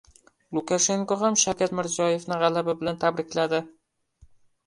Lukashenko ham Shavkat Mirziyoyevni g‘alaba bilan tabrikladi